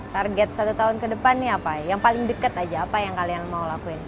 target satu tahun ke depan nih apa yang paling deket aja apa yang kalian mau lakuin